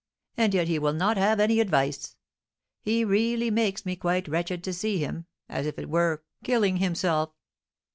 and yet he will not have any advice. He really makes me quite wretched to see him, as it were, killing himself!